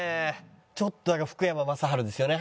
ちょっと福山雅治ですよね。